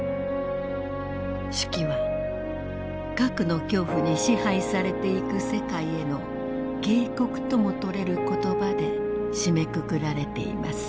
手記は核の恐怖に支配されていく世界への警告とも取れる言葉で締めくくられています。